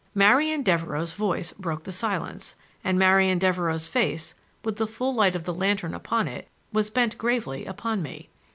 Marian Devereux's voice broke the silence, and Marian Devereux's face, with the full light of the lantern upon it, was bent gravely upon me.